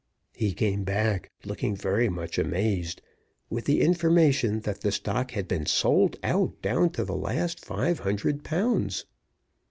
He came back, looking very much amazed, with the information that the stock had been sold out down to the last five hundred pounds.